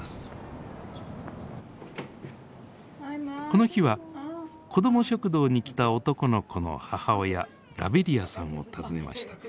この日は子ども食堂に来た男の子の母親ラヴェリアさんを訪ねました。